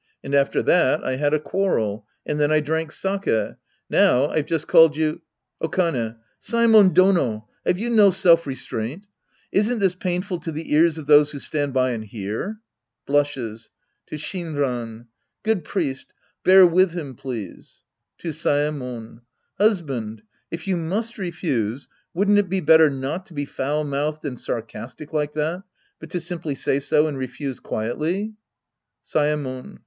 And after that I had a quarrel. And then I drank sakc' Now, I've just called you — Okane. Saemon Dono ! Have you no self re straint ? Isn't this painful to the ears of those who stand by and hear ? {Blushes. To Shinran.) Good priest. Bear with him, please. {To Saemon.) Hus band, if you must refuse, wouldn't it be better not to be foul mouthed and sarcastic like that, but to simply say so and refuse quietly ? Saemon.